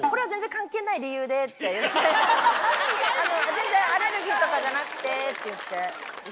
全然アレルギーとかじゃなくてって言って。